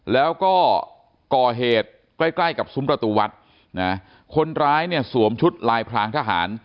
แล้วก็ก่อเหตุใกล้ใกล้กับซุ้มประตูวัดนะคนร้ายเนี่ยสวมชุดลายพรางทหาร